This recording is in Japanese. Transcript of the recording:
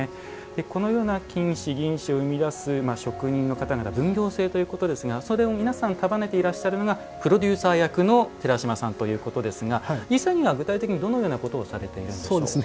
このような金糸、銀糸を生み出す職人の方々分業制ということですがそれを皆さん束ねていらっしゃるのがプロデューサー役の寺島さんということですが実際には具体的にどのようなことをされているんですか？